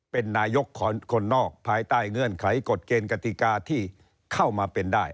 เป็นนายกคนนอกภายใต้เงื่อนไขกฎเกณฑ์กติกาที่เข้ามาเป็นได้